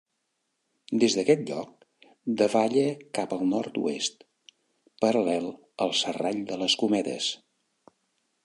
Des d'aquest lloc davalla cap al nord-oest, paral·lel al Serrall de les Cometes.